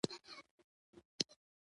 دا لار د بشري تجربې برخه ګرځي.